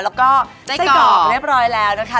แล้วก็ไส้กรอบเรียบร้อยแล้วนะคะ